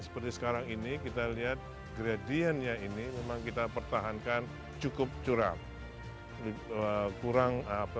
seperti sekarang ini kita lihat gradientnya ini memang kita pertahankan cukup curam kurang